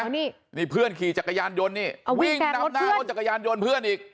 อันนี้นี่เพื่อนขี่จักรยานยนต์นี่เอาวิ่งแปดรถเพื่อนวิ่งน้ำหน้ารถจักรยานยนต์เพื่อนอีก